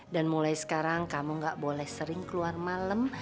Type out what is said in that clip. dan mulai sekarang kamu gak boleh sering keluar malam